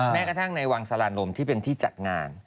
แม้กระทั่งในวังสารานมที่เป็นที่จัดงาน